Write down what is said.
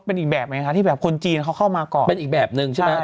เป็นอีกแบบไหมคะที่แบบคนจีนเขาเข้ามาก่อนเป็นอีกแบบนึงใช่ไหม